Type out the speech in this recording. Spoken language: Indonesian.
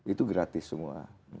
itu gratis semua